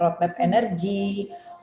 roadmap tentang kebijakan